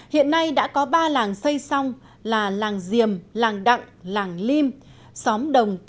hiện nay đã có ba làng xây xong là làng diềm làng đặng làng lim